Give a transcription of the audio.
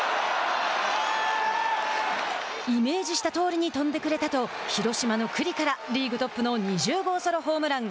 イメージしたとおりに飛んでくれたと広島の九里からリーグトップの２０号ソロホームラン。